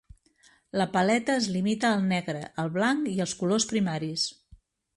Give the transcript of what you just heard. La paleta es limita al negre, el blanc i als colors primaris.